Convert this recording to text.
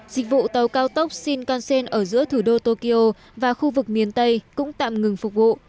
dịch vụ tàu cao tốc shinkansen ở giữa thủ đô tokyo và khu vực miền tây cũng tạm ngừng phục vụ